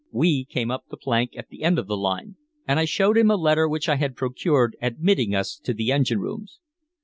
We came up the plank at the end of the line, and I showed him a letter which I had procured admitting us to the engine rooms.